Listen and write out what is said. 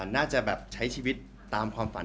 น่าจะแบบใช้ชีวิตตามความฝัน